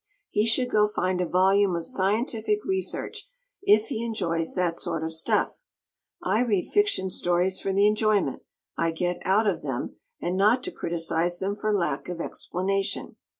He should go find a volume of scientific research if he enjoys that sort of stuff. I read fiction stories for the enjoyment I get out of them and not to criticize them for lack of explanation.